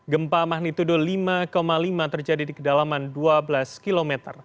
gempa magnitudo lima lima terjadi di kedalaman dua belas km